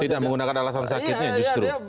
tidak menggunakan alasan sakitnya justru